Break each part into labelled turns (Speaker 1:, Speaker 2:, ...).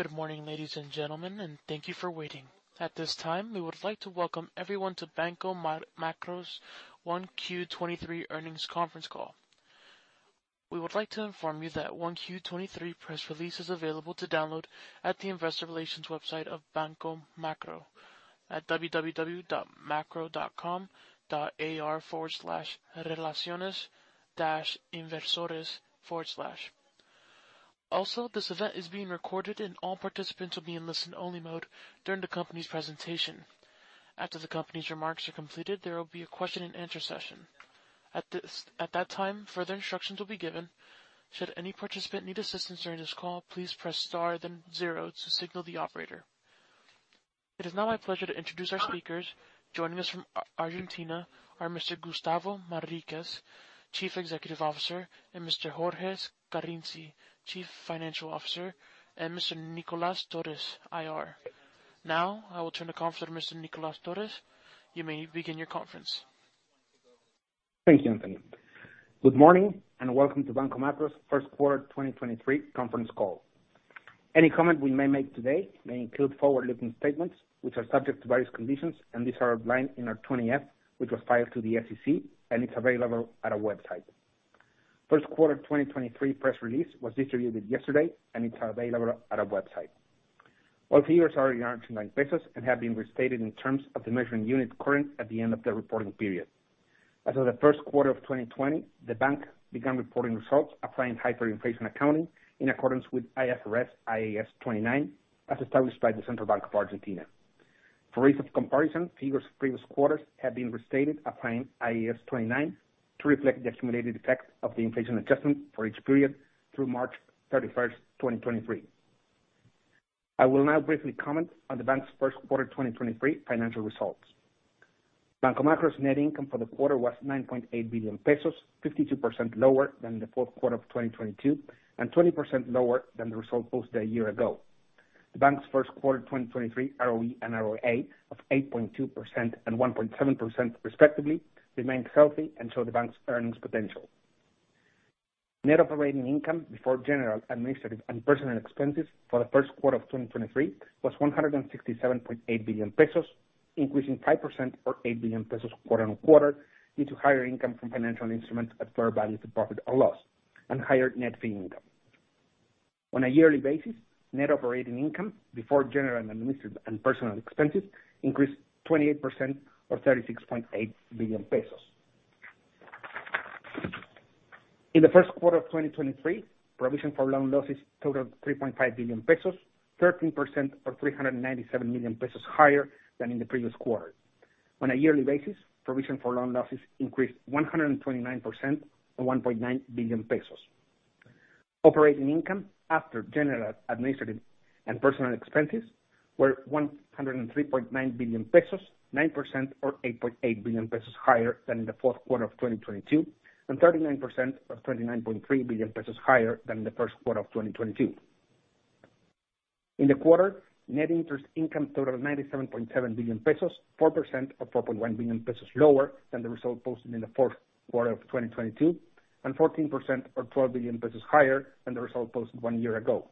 Speaker 1: Good morning, ladies and gentlemen, and thank you for waiting. At this time, we would like to welcome everyone to Banco Macro's 1Q 2023 earnings conference call. We would like to inform you that 1Q 2023 press release is available to download at the investor relations website of Banco Macro at www.macro.com.ar/relaciones-inversores/. Also, this event is being recorded and all participants will be in listen-only mode during the company's presentation. After the company's remarks are completed, there will be a question and answer session. At that time, further instructions will be given. Should any participant need assistance during this call, please press star then zero to signal the operator. It is now my pleasure to introduce our speakers. Joining us from Argentina are Mr. Gustavo Manriquez, Chief Executive Officer, and Mr. Jorge Scarinci, Chief Financial Officer, and Mr. Nicolas Torres, IR. Now, I will turn the conference to Mr. Nicolas Torres. You may begin your conference.
Speaker 2: Thank you, Anthony. Good morning, and welcome to Banco Macro's 1st quarter 2023 conference call. Any comment we may make today may include forward-looking statements which are subject to various conditions, and these are outlined in our 20-F, which was filed to the SEC, and it's available at our website. 1st quarter 23 press release was distributed yesterday, and it's available at our website. All figures are in Argentine pesos and have been restated in terms of the measuring unit current at the end of the reporting period. As of the 1st quarter of 2020, the bank began reporting results applying hyperinflation accounting in accordance with IFRS IAS 29, as established by the Central Bank of Argentina. For ease of comparison, figures for previous quarters have been restated applying IAS 29 to reflect the accumulated effect of the inflation adjustment for each period through March 31st, 2023. I will now briefly comment on the bank's first quarter 2023 financial results. Banco Macro's net income for the quarter was 9.8 billion pesos, 52% lower than the fourth quarter of 2022 and 20% lower than the result posted a year ago. The bank's first quarter 2023 ROE and ROA of 8.2% and 1.7% respectively remain healthy and show the bank's earnings potential. Net operating income before general, administrative, and personnel expenses for the first quarter of 2023 was 167.8 billion pesos, increasing 5% or 8 billion pesos quarter on quarter due to higher income from financial instruments at fair value to profit or loss and higher net fee income. On a yearly basis, net operating income before general, administrative, and personnel expenses increased 28% or 36.8 billion pesos. In the first quarter of 2023, provision for loan losses totaled 3.5 billion pesos, 13% or 397 million pesos higher than in the previous quarter. On a yearly basis, provision for loan losses increased 129% or 1.9 billion pesos. Operating income after general, administrative, and personnel expenses were 103.9 billion pesos, 9% or 8.8 billion pesos higher than in the fourth quarter of 2022, and 39% or 29.3 billion pesos higher than in the first quarter of 2022. In the quarter, net interest income totaled 97.7 billion pesos, 4% or 4.1 billion pesos lower than the result posted in the fourth quarter of 2022, and 14% or 12 billion pesos higher than the result posted one year ago.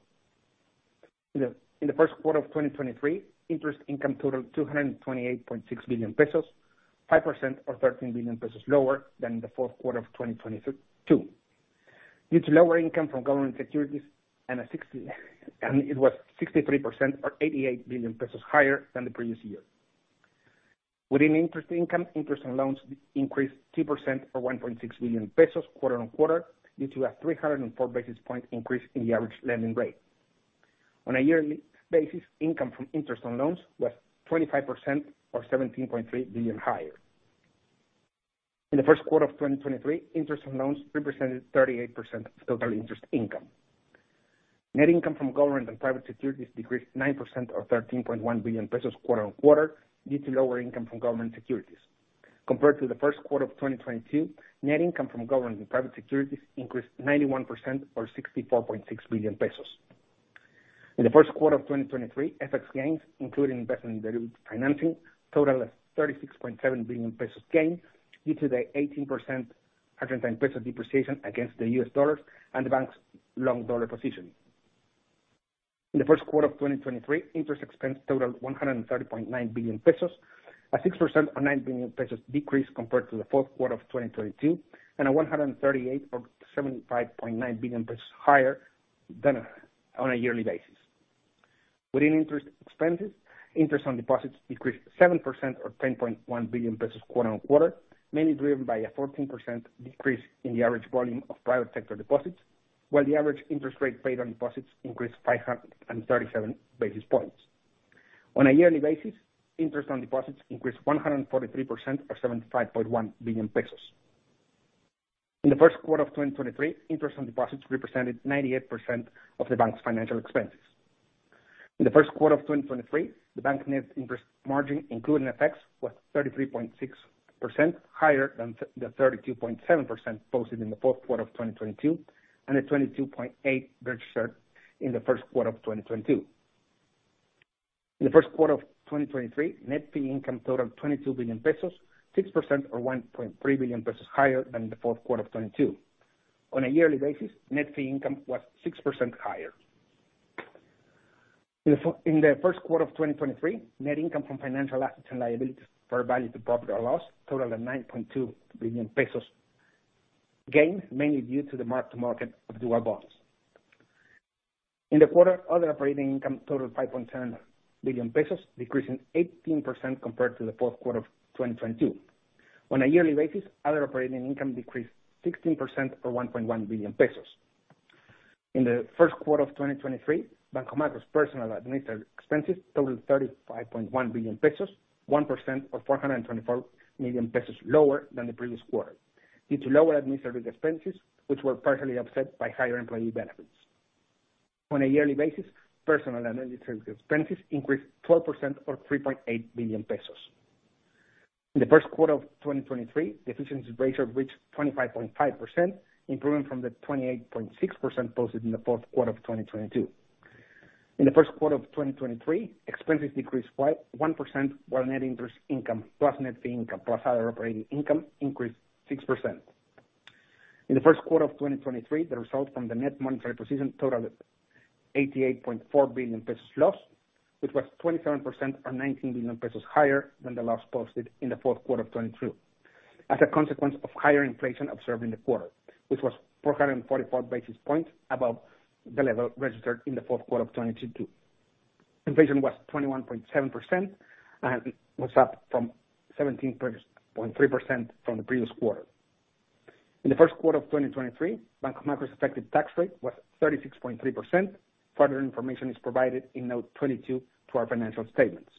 Speaker 2: In the first quarter of 2023, interest income totaled 228.6 billion pesos, 5% or 13 billion pesos lower than in the fourth quarter of 2022. Due to lower income from government securities and it was 63% or 88 billion pesos higher than the previous year. Within interest income, interest and loans increased 2% or 1.6 billion pesos quarter-on-quarter due to a 304 basis point increase in the average lending rate. On a yearly basis, income from interest on loans was 25% or 17.3 billion higher. In the first quarter of 2023, interest on loans represented 38% of total interest income. Net income from government and private securities decreased 9% or 13.1 billion pesos quarter-over-quarter due to lower income from government securities. Compared to the first quarter of 2022, net income from government and private securities increased 91% or 64.6 billion pesos. In the first quarter of 2023, FX gains, including investment in derivative financing, totaled an 36.7 billion pesos gain due to the 18% Argentine peso depreciation against the U.S. dollars and the bank's long dollar position. In the first quarter of 2023, interest expense totaled 130.9 billion pesos, a 6% or 9 billion pesos decrease compared to the fourth quarter of 2022, and a 138 or 75.9 billion pesos higher than on a yearly basis. Within interest expenses, interest on deposits decreased 7% or 10.1 billion pesos quarter-on-quarter, mainly driven by a 14% decrease in the average volume of private sector deposits. While the average interest rate paid on deposits increased 537 basis points. On a yearly basis, interest on deposits increased 143% or 75.1 billion pesos. In the first quarter of 2023, interest on deposits represented 98% of the bank's financial expenses. In the first quarter of 2023, the bank net interest margin, including FX, was 33.6% higher than the 32.7% posted in the fourth quarter of 2022 and the 22.8% registered in the first quarter of 2022. In the first quarter of 2023, net fee income totaled 22 billion pesos, 6% or 1.3 billion pesos higher than the fourth quarter of 2022. On a yearly basis, net fee income was 6% higher. In the first quarter of 2023, net income from financial assets and liabilities fair value to property or loss totaled at 9.2 billion pesos gain, mainly due to the mark to market of dual bonds. In the quarter, other operating income totaled 5.7 billion pesos, decreasing 18% compared to the fourth quarter of 2022. On a yearly basis, other operating income decreased 16% or 1.1 billion pesos. In the first quarter of 2023, Banco Macro's personal administrative expenses totaled 35.1 billion pesos, 1% or 424 million pesos lower than the previous quarter due to lower administrative expenses, which were partially offset by higher employee benefits. On a yearly basis, personal administrative expenses increased 12% or 3.8 billion pesos. In the first quarter of 2023, the efficiency ratio reached 25.5%, improving from the 28.6% posted in the fourth quarter of 2022. In the first quarter of 2023, expenses decreased 1%, while net interest income plus net fee income, plus other operating income increased 6%. In the first quarter of 2023, the result from the net monetary position totaled 88.4 billion pesos loss, which was 27% or 19 billion pesos higher than the loss posted in the fourth quarter of 2022, as a consequence of higher inflation observed in the quarter, which was 444 basis points above the level registered in the fourth quarter of 2022. Inflation was 21.7% and was up from 17.3% from the previous quarter. In the first quarter of 2023, Banco Macro's effective tax rate was 36.3%. Further information is provided in note 22 to our financial statements.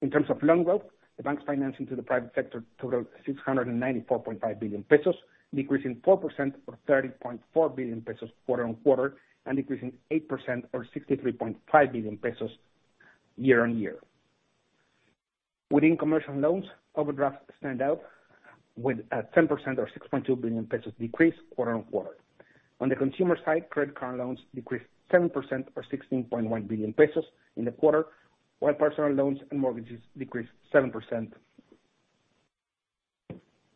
Speaker 2: In terms of loan growth, the bank's financing to the private sector totaled 694.5 billion pesos, decreasing 4% or 30.4 billion pesos quarter-on-quarter and decreasing 8% or 63.5 billion pesos year-on-year. Within commercial loans, overdrafts stand out with a 10% or 6.2 billion pesos decrease quarter-on-quarter. On the consumer side, credit card loans decreased 7% or 16.1 billion pesos in the quarter, while personal loans and mortgages decreased 7%.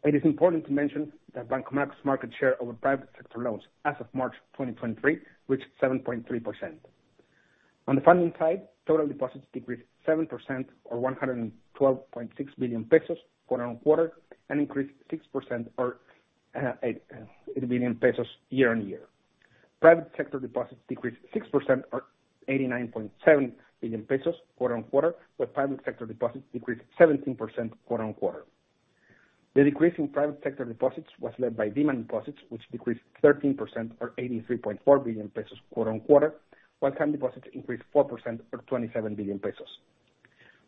Speaker 2: It is important to mention that Banco Macro's market share over private sector loans as of March 2023 reached 7.3%. On the funding side, total deposits decreased 7% or 112.6 billion pesos quarter-on-quarter and increased 6% or 8 billion pesos year-on-year. Private sector deposits decreased 6% or 89.7 billion pesos quarter-on-quarter, with private sector deposits decreased 17% quarter-on-quarter. The decrease in private sector deposits was led by demand deposits, which decreased 13% or 83.4 billion pesos quarter-on-quarter, while time deposits increased 4% or 27 billion pesos.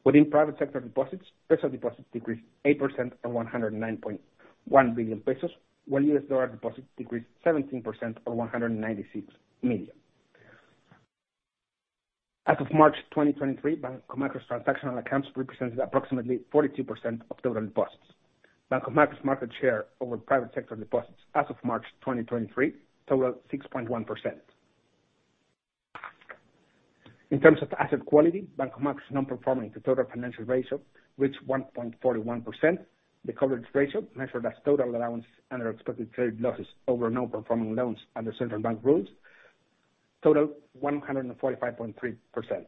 Speaker 2: Within private sector deposits, peso deposits decreased 8% or 109.1 billion pesos, while US dollar deposits decreased 17% or $196 million. As of March 2023, Banco Macro's transactional accounts represented approximately 42% of total deposits. Banco Macro's market share over private sector deposits as of March 2023 totaled 6.1%. In terms of asset quality, Banco Macro's non-performing to total financial ratio reached 1.41%. The coverage ratio measured as total allowance and our expected trade losses over non-performing loans under Central Bank rules totaled 145.3%.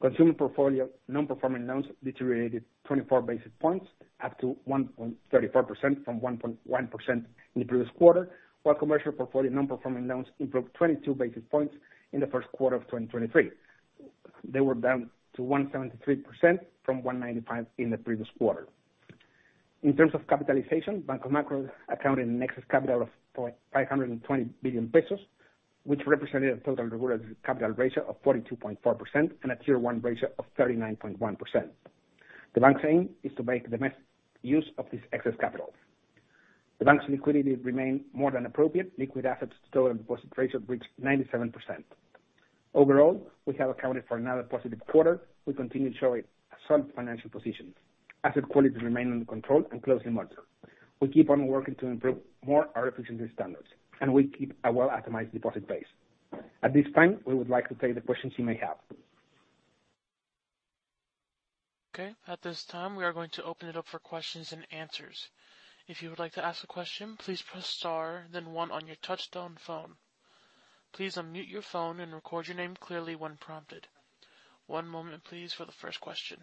Speaker 2: Consumer portfolio non-performing loans deteriorated 24 basis points up to 1.34% from 1.1% in the previous quarter, while commercial portfolio non-performing loans improved 22 basis points in the first quarter of 2023. They were down to 1.73% from 1.95% in the previous quarter. In terms of capitalization, Banco Macro accounted an excess capital of 0.520 billion pesos, which represented a total regulatory capital ratio of 42.4% and a Tier 1 ratio of 39.1%. The bank's aim is to make the best use of this excess capital. The bank's liquidity remained more than appropriate. Liquid assets to total deposit ratio reached 97%. Overall, we have accounted for another positive quarter. We continue to show a sound financial position. Asset quality remain under control and closely monitored. We keep on working to improve more our efficiency standards, and we keep a well-itemized deposit base. At this time, we would like to take the questions you may have.
Speaker 1: At this time, we are going to open it up for questions and answers. If you would like to ask a question, please press star then one on your touchtone phone. Please unmute your phone and record your name clearly when prompted. One moment please for the first question.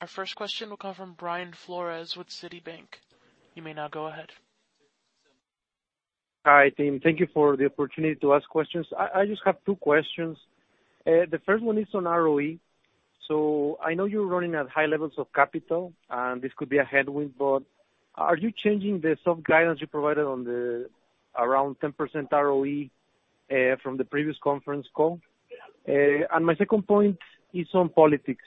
Speaker 1: Our first question will come from Brian Flores with Citi. You may now go ahead.
Speaker 3: Hi team. Thank you for the opportunity to ask questions. I just have two questions. The first one is on ROE. I know you're running at high levels of capital and this could be a headwind, but are you changing the soft guidance you provided on the around 10% ROE from the previous conference call? My second point is on politics.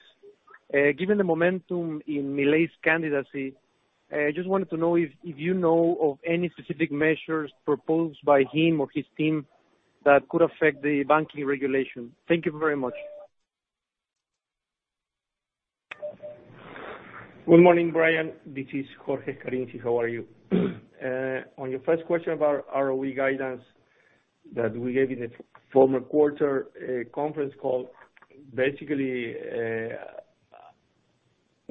Speaker 3: Given the momentum in Milei's candidacy, I just wanted to know if you know of any specific measures proposed by him or his team that could affect the banking regulation. Thank you very much.
Speaker 4: Good morning, Brian. This is Jorge Scarinci. How are you? On your first question about ROE guidance that we gave in the former quarter conference call, basically,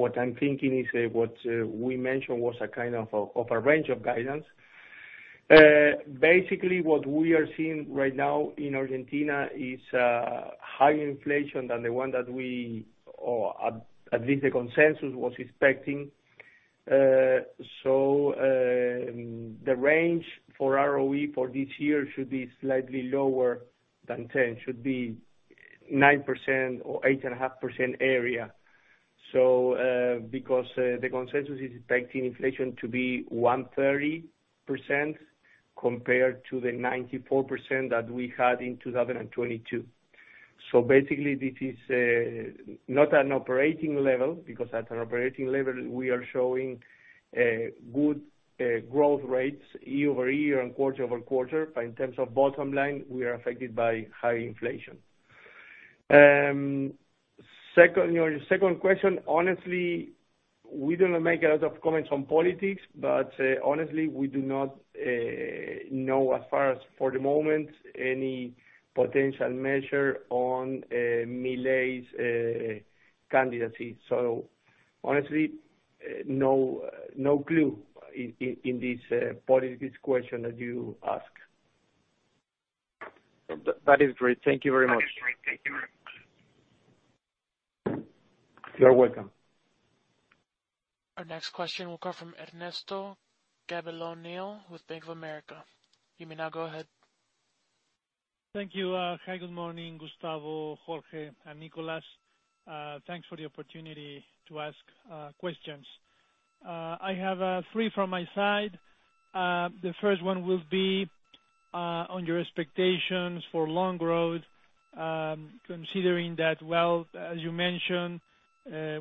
Speaker 4: what I'm thinking is that what we mentioned was a kind of a range of guidance. Basically, what we are seeing right now in Argentina is higher inflation than the one that we or at least the consensus was expecting. The range for ROE for this year should be slightly lower than 10, should be 9% or 8.5% area. Because the consensus is expecting inflation to be 130% compared to the 94% that we had in 2022. Basically, this is not an operating level because at an operating level we are showing good growth rates year-over-year and quarter-over-quarter, but in terms of bottom line, we are affected by high inflation. Second, your second question, honestly, we don't make a lot of comments on politics, but honestly, we do not know as far as for the moment any potential measure on Milei's candidacy. Honestly, no clue in this politics question that you ask.
Speaker 5: That is great. Thank you very much.
Speaker 4: You're welcome.
Speaker 1: Our next question will come from Ernesto Gabilondo with Bank of America. You may now go ahead.
Speaker 6: Thank you. Hi, good morning, Gustavo, Jorge, and Nicolas. Thanks for the opportunity to ask questions. I have three from my side. The first one will be on your expectations for long growth, considering that, well, as you mentioned,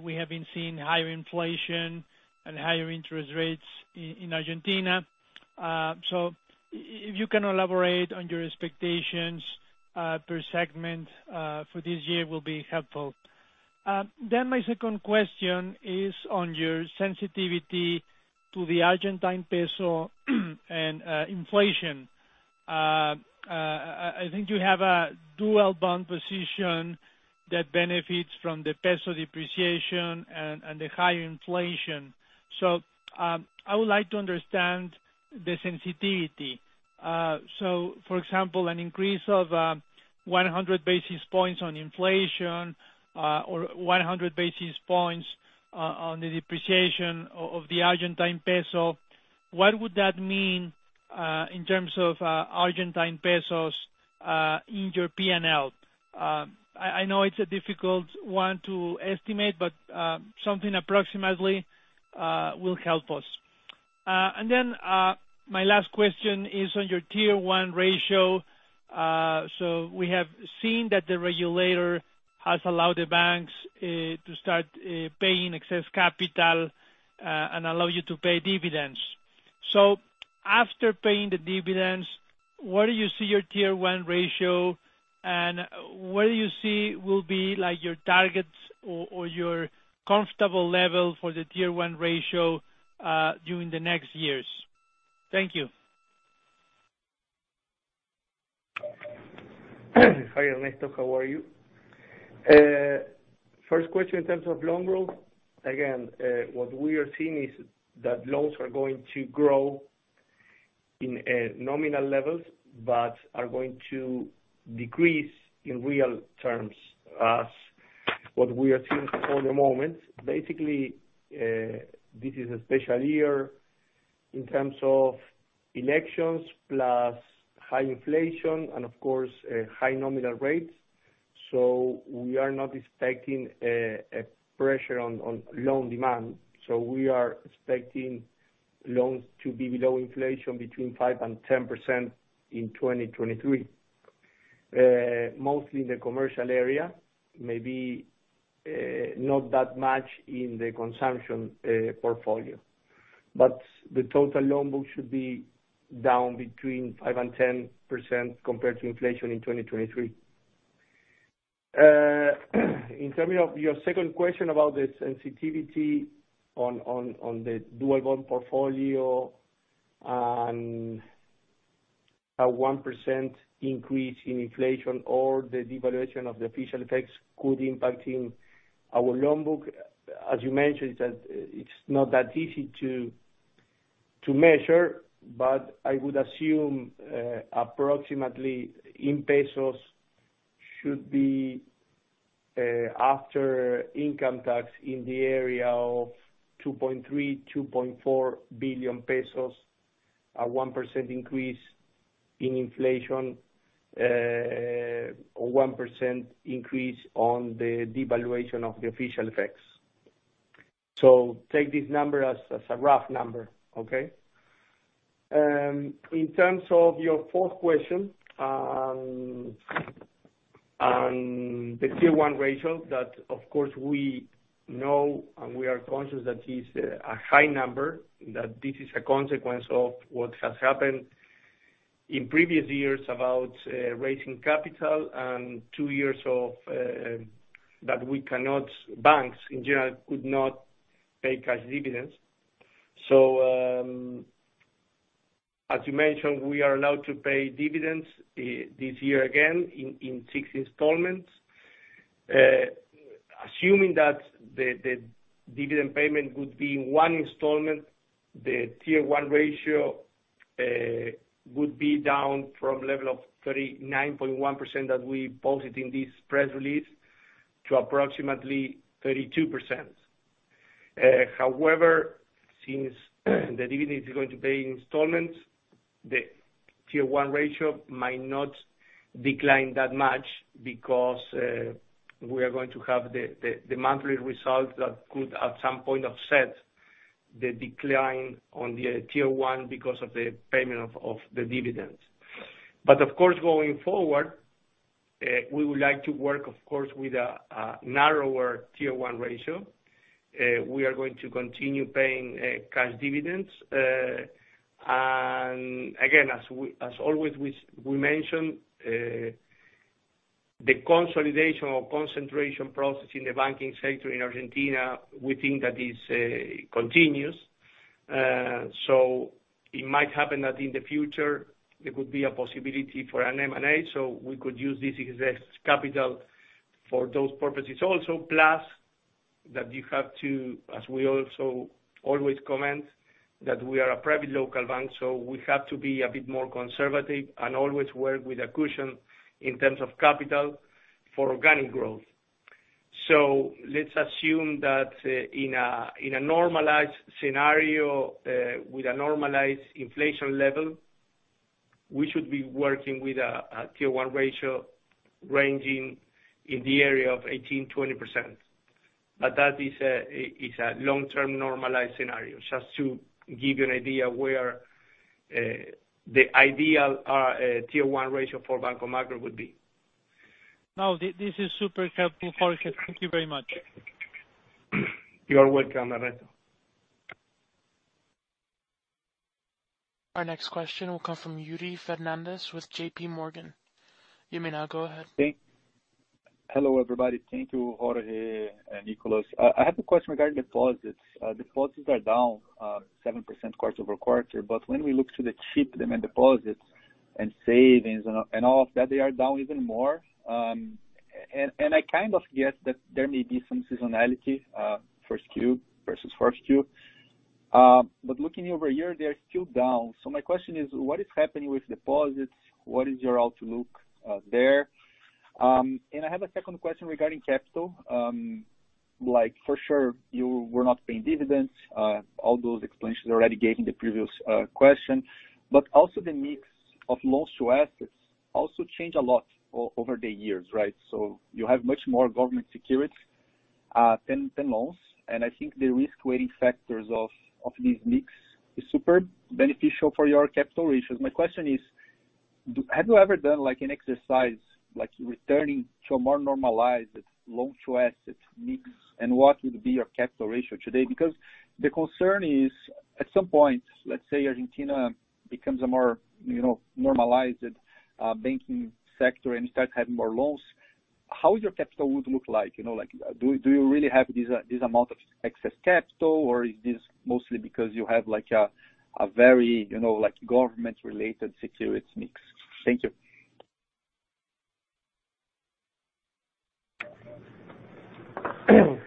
Speaker 6: we have been seeing higher inflation and higher interest rates in Argentina. If you can elaborate on your expectations per segment for this year will be helpful. My second question is on your Tier 1 ratio. We have seen that the regulator has allowed the banks to start paying excess capital and allow you to pay dividends. After paying the dividends, where do you see your Tier 1 ratio, and where you see will be like your targets or your comfortable level for the Tier 1 ratio during the next years? Thank you.
Speaker 4: Hi, Ernesto. How are you? First question in terms of loan growth. Again, what we are seeing is that loans are going to grow in nominal levels but are going to decrease in real terms as what we are seeing for the moment. Basically, this is a special year in terms of elections plus high inflation and of course, high nominal rates. We are not expecting a pressure on loan demand. We are expecting loans to be below inflation between 5% and 10% in 2023. Mostly in the commercial area, maybe not that much in the consumption portfolio. The total loan book should be down between 5% and 10% compared to inflation in 2023. In terms of your second question about the sensitivity on the dual bond portfolio and a 1% increase in inflation or the devaluation of the official FX could impact in our loan book. As you mentioned, it's not that easy to measure, but I would assume approximately in ARS should be after income tax in the area of 2.3 billion-2.4 billion pesos, a 1% increase in inflation, a 1% increase on the devaluation of the official FX. Take this number as a rough number, okay. In terms of your fourth question, on the Tier 1 ratio, that of course we know and we are conscious that is a high number, that this is a consequence of what has happened in previous years about raising capital and two years of banks in general could not pay cash dividends. As you mentioned, we are allowed to pay dividends this year again in 6 installments. Assuming that the dividend payment would be in 1 installment, the Tier 1 ratio would be down from level of 39.1% that we posted in this press release to approximately 32%. However, since the dividend is going to pay installments, the Tier 1 ratio might not decline that much because we are going to have the monthly results that could, at some point, offset the decline on the Tier 1 because of the payment of the dividends. Of course, going forward, we would like to work, of course, with a narrower Tier 1 ratio. We are going to continue paying cash dividends. Again, as we always mentioned, the consolidation or concentration process in the banking sector in Argentina, we think that is continuous. It might happen that in the future there could be a possibility for an M&A, so we could use this excess capital for those purposes also. Plus, that you have to. We also always comment, that we are a private local bank, we have to be a bit more conservative and always work with a cushion in terms of capital for organic growth. Let's assume that, in a normalized scenario, with a normalized inflation level, we should be working with a Tier 1 ratio ranging in the area of 18%-20%. That is a long-term normalized scenario. Just to give you an idea where, the ideal, Tier 1 ratio for Banco Macro would be.
Speaker 6: No, this is super helpful, Jorge. Thank you very much.
Speaker 4: You are welcome, Ernesto.
Speaker 1: Our next question will come from Yuri Fernandes with JP Morgan. You may now go ahead.
Speaker 5: Hello, everybody. Thank you, Jorge and Nicolas. I have a question regarding deposits. Deposits are down 7% quarter-over-quarter, but when we look to the cheap demand deposits and savings and all of that, they are down even more. I kind of get that there may be some seasonality, first Q versus first Q. Looking year-over-year, they are still down. My question is, what is happening with deposits? What is your outlook there? I have a second question regarding capital. Like, for sure, you were not paying dividends, all those explanations already gave in the previous question. Also the mix of loans to assets also change a lot over the years, right? You have much more government securities than loans. I think the risk weighting factors of this mix is super beneficial for your capital ratios? My question is, have you ever done like an exercise, like returning to a more normalized loans to assets mix, and what would be your capital ratio today? The concern is, at some point, let's say Argentina becomes a more, you know, normalized banking sector and starts having more loans, how your capital would look like? You know, like, do you really have this amount of excess capital, or is this mostly because you have like a very, you know, like, government related securities mix? Thank you.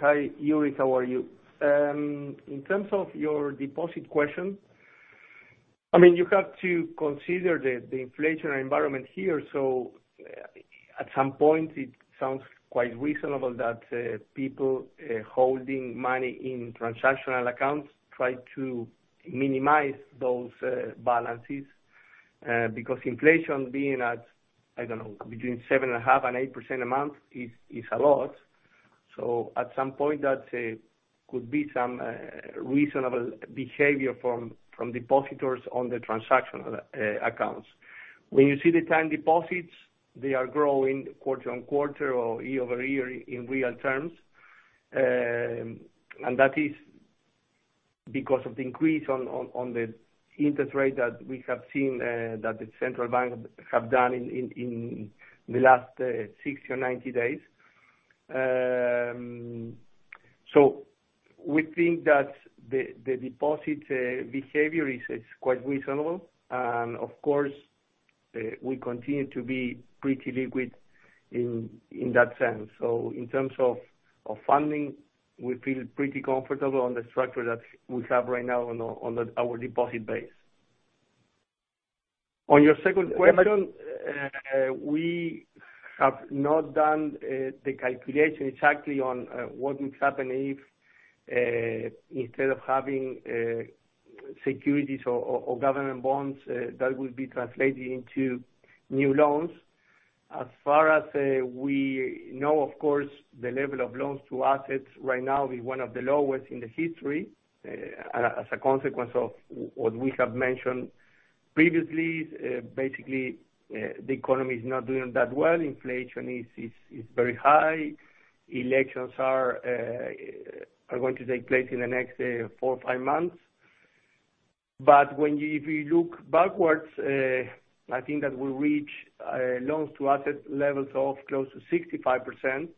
Speaker 4: Hi, Yuri, how are you? In terms of your deposit question, I mean, you have to consider the inflationary environment here. At some point it sounds quite reasonable that people holding money in transactional accounts try to minimize those balances because inflation being at, I don't know, between 7.5% and 8% a month is a lot. At some point, that could be some reasonable behavior from depositors on the transactional accounts. When you see the time deposits, they are growing quarter-over-quarter or year-over-year in real terms. And that is because of the increase on the interest rate that we have seen that the central bank have done in the last 60 or 90 days. We think that the deposit behavior is quite reasonable. Of course, we continue to be pretty liquid in that sense. In terms of funding, we feel pretty comfortable on the structure that we have right now on our deposit base. On your second question, we have not done the calculation exactly on what would happen if instead of having securities or government bonds that would be translating into new loans. As far as we know, of course, the level of loans to assets right now is one of the lowest in the history as a consequence of what we have mentioned previously. Basically, the economy is not doing that well. Inflation is very high. Elections are going to take place in the next four or five months. When you, if you look backwards, I think that we reach loans to asset levels of close to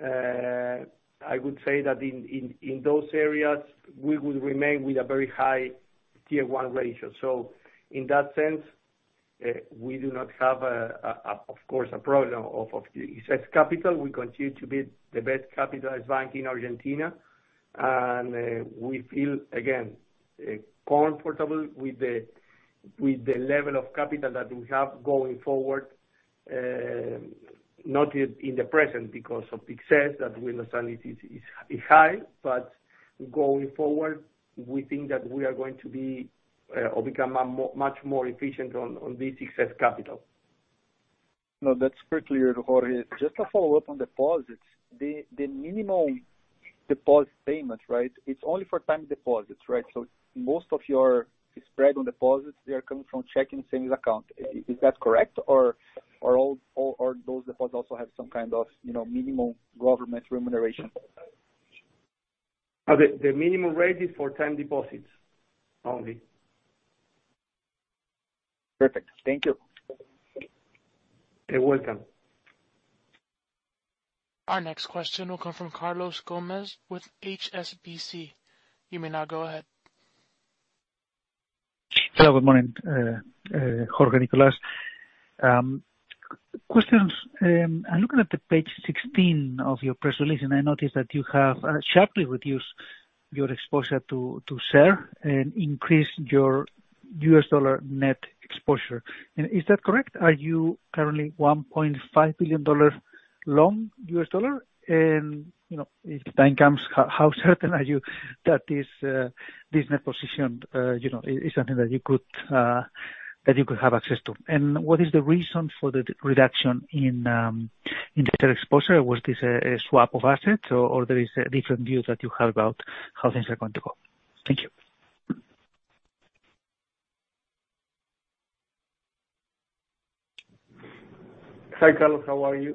Speaker 4: 65%. I would say that in those areas, we would remain with a very high Tier 1 ratio. In that sense, we do not have a problem, of course, of excess capital. We continue to be the best capitalized bank in Argentina. We feel, again, comfortable with the level of capital that we have going forward, not in the present because of excess that will necessarily is high, but going forward, we think that we are going to be or become much more efficient on this excess capital.
Speaker 5: That's pretty clear, Jorge. Just a follow-up on deposits. The minimum deposit payment, right? It's only for time deposits, right? Most of your spread on deposits, they are coming from checking savings account. Is that correct? Or all or those deposits also have some kind of, you know, minimum government remuneration?
Speaker 4: The minimum rate is for time deposits only.
Speaker 5: Perfect. Thank you.
Speaker 4: You're welcome.
Speaker 1: Our next question will come from Carlos Gomez-Lopez with HSBC. You may now go ahead.
Speaker 7: Hello, good morning, Jorge, Nicolas. I'm looking at the page 16 of your press release, I noticed that you have sharply reduced your exposure to CER and increased your US dollar net exposure. Is that correct? Are you currently $1.5 billion long US dollar? You know, if time comes, how certain are you that this net position, you know, is something that you could have access to? What is the reason for the reduction in data exposure? Was this a swap of assets, or there is different views that you have about how things are going to go? Thank you.
Speaker 4: Hi, Carlos, how are you?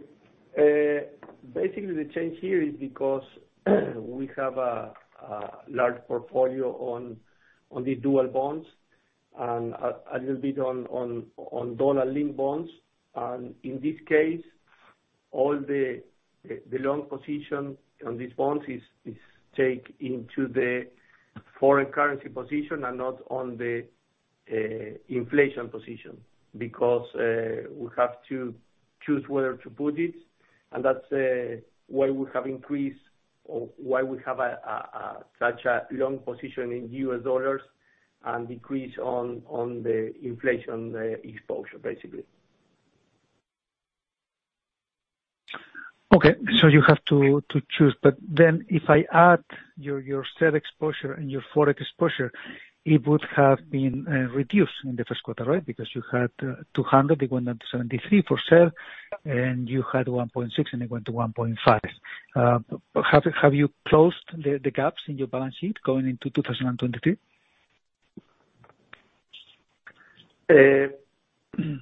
Speaker 4: Basically the change here is because we have a large portfolio on the dual bonds and a little bit on dollar-linked bonds. In this case, all the loan position on these bonds is take into the foreign currency position and not on the inflation position because we have to choose whether to put it. That's why we have increased or why we have a such a loan position in $ and decrease on the inflation exposure, basically.
Speaker 7: Okay. You have to choose. If I add your CER exposure and your forex exposure, it would have been reduced in the first quarter, right? Because you had 200, it went down to 73 for CER, and you had 1.6, and it went to 1.5. Have you closed the gaps in your balance sheet going into 2023?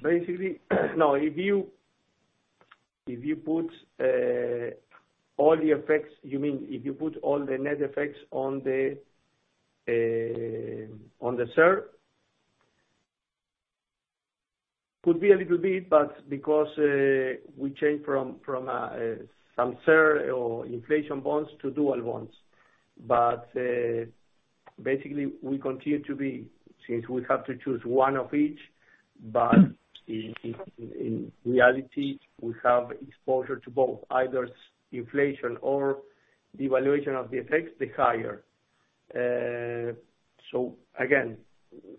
Speaker 4: Basically, now, if you, if you put all the effects, you mean if you put all the net effects on the CER, could be a little bit, because we changed from some CER or inflation bonds to dual bonds. Basically, we continue to be, since we have to break to choose one of each, but in reality, we have exposure to both, either inflation or the evaluation of the effects be higher. Again,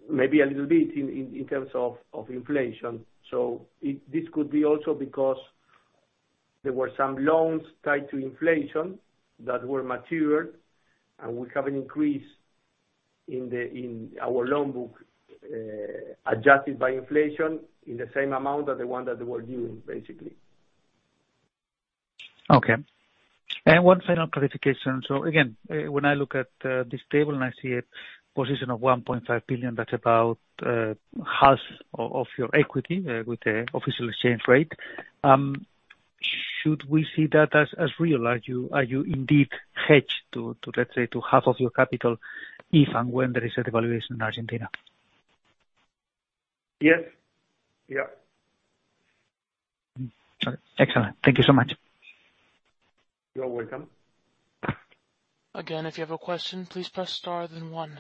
Speaker 4: maybe a little bit in terms of inflation. This could be also because there were some loans tied to inflation that were matured, and we have an increase in our loan book, adjusted by inflation in the same amount as the one that we were doing, basically.
Speaker 7: One final clarification. Again, when I look at this table and I see a position of $1.5 billion, that's about half of your equity with the official exchange rate. Should we see that as real? Are you indeed hedged to, let's say, to half of your capital if and when there is a devaluation in Argentina?
Speaker 4: Yes. Yeah.
Speaker 7: All right. Excellent. Thank you so much.
Speaker 4: You're welcome.
Speaker 1: If you have a question, please press star then one.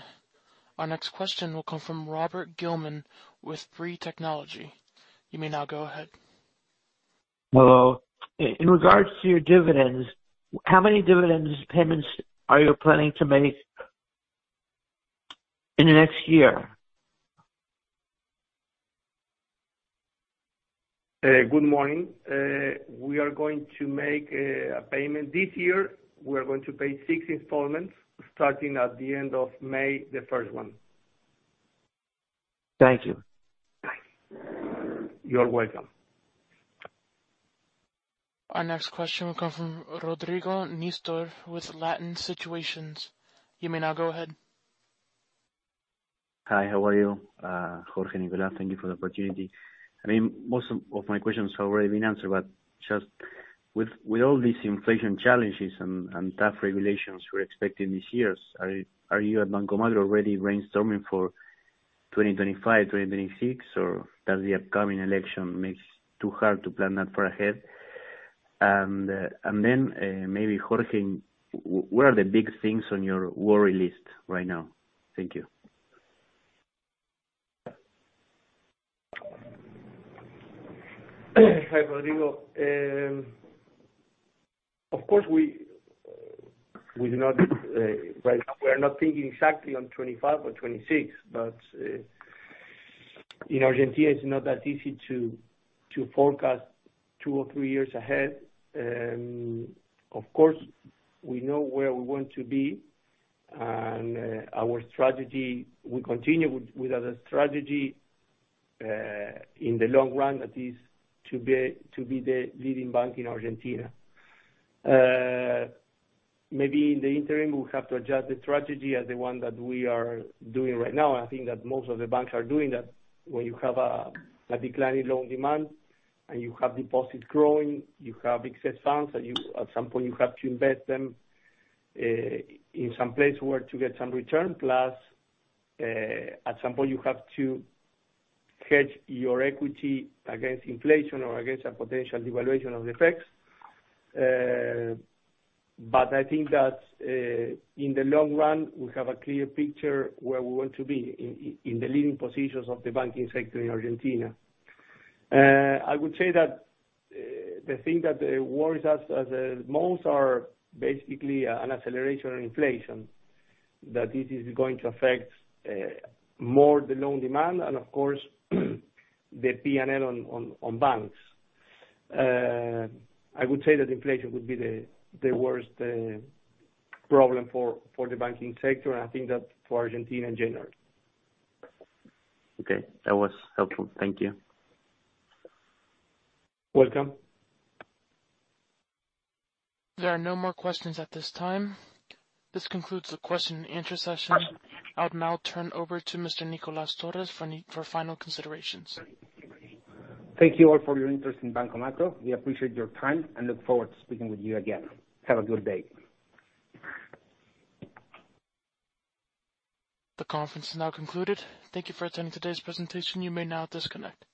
Speaker 1: Our next question will come from Robert Gilman with Free Technology. You may now go ahead.
Speaker 8: Hello. In regards to your dividends, how many dividends payments are you planning to make in the next year?
Speaker 4: Good morning. We are going to make a payment this year. We are going to pay six installments starting at the end of May, the first one.
Speaker 8: Thank you.
Speaker 4: You're welcome.
Speaker 1: Our next question will come from Rodrigo Nistor with Latin Securities. You may now go ahead.
Speaker 9: Hi, how are you? Jorge, Nicolas, thank you for the opportunity. I mean, most of my questions have already been answered. But with all these inflation challenges and tough regulations we're expecting this years, are you at Banco Macro already brainstorming for 2025, 2026? Or does the upcoming election makes too hard to plan that far ahead? Then maybe Jorge, what are the big things on your worry list right now? Thank you.
Speaker 4: Hi, Rodrigo. Of course, we do not right now we are not thinking exactly on 25 or 26, but, you know, Argentina is not that easy to forecast two or three years ahead. Of course, we know where we want to be and our strategy will continue with our strategy in the long run, that is to be the leading bank in Argentina. Maybe in the interim, we'll have to adjust the strategy as the one that we are doing right now. I think that most of the banks are doing that. When you have a declining loan demand and you have deposits growing, you have excess funds that you at some point you have to invest them in some place where to get some return. At some point, you have to hedge your equity against inflation or against a potential devaluation of the effects. I think that, in the long run, we have a clear picture where we want to be in the leading positions of the banking sector in Argentina. I would say that, the thing that worries us as a most are basically an acceleration in inflation that it is going to affect more the loan demand and, of course, the PNL on banks. I would say that inflation would be the worst problem for the banking sector. I think that for Argentina in general.
Speaker 9: Okay, that was helpful. Thank you.
Speaker 4: Welcome.
Speaker 1: There are no more questions at this time. This concludes the question and answer session. I'll now turn over to Mr. Nicolas Torres for final considerations.
Speaker 2: Thank you all for your interest in Banco Macro. We appreciate your time and look forward to speaking with you again. Have a good day.
Speaker 1: The conference is now concluded. Thank you for attending today's presentation. You may now disconnect.